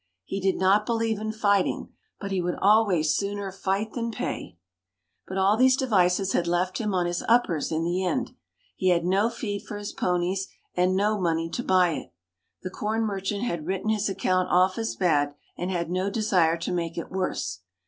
He did not believe in fighting; but he would always sooner fight than pay. But all these devices had left him on his uppers in the end. He had no feed for his ponies, and no money to buy it; the corn merchant had written his account off as bad, and had no desire to make it worse.